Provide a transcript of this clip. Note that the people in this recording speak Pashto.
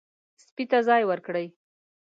سپي ته ځای ورکړئ.